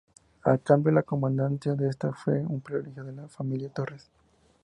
A cambio, la comandancia de esta fue un privilegio de la familia Torres.